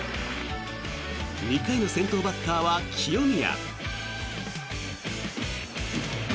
２回の先頭バッターは清宮。